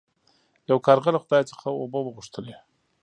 یو کارغه له خدای څخه اوبه وغوښتلې.